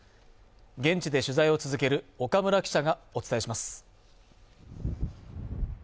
現地で取材を続ける岡村記者がお伝えします